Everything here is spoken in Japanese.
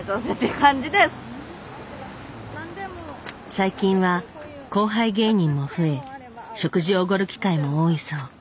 最近は後輩芸人も増え食事をおごる機会も多いそう。